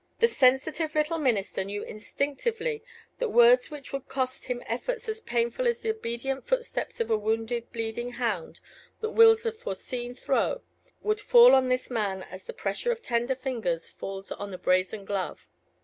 The sensitive little minister knew instinctively that words which would cost him efforts as painful as the obedient footsteps of a wounded bleeding hound that wills a foreseen throe, would fall on this man as the pressure of tender fingers falls on a brazen glove.